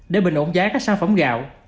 để bình ổn giá các sản phẩm gạo